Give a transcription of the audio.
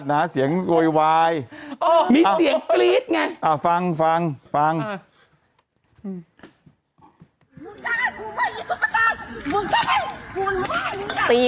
คุณเฮียครับพี่น้องชิวชิวคืนนี้